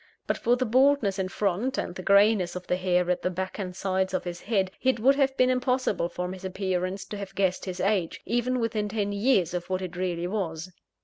But for the baldness in front, and the greyness of the hair at the back and sides of his head, it would have been impossible from his appearance to have guessed his age, even within ten years of what it really was.